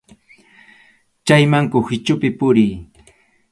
Chayman kuhichupi puriy.